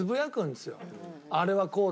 あれはこうだ。